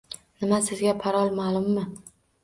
Nima, sizga parol ma`lummi